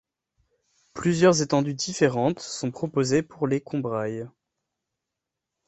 Plusieurs étendues différentes sont proposées pour les Combrailles.